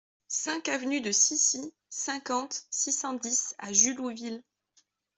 cinq avenue de Scissy, cinquante, six cent dix à Jullouville